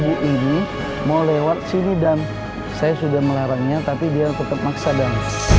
ibu ini mau lewat sini dan saya sudah melarangnya tapi dia tetap maksa dan